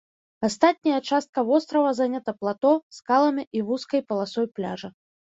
Астатняя частка вострава занята плато, скаламі і вузкай паласой пляжа.